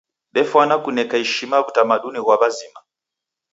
Defwana kuneka ishima w'utamaduni ghwa w'azima.